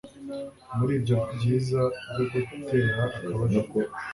Muri ibyo byiza byo gutera akabariro